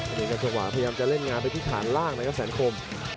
นี่ครับจังหวะพยายามจะเล่นงานไปที่ฐานล่างนะครับแสนคม